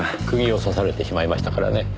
釘を刺されてしまいましたからね。